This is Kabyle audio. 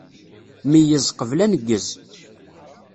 Meyyez qbel aneggez.